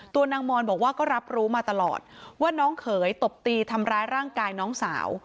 ตัวนางมอนบอกว่าก็รับรู้มาตลอดว่าน้องเขยตบตีทำร้ายร่างกายน้องสาว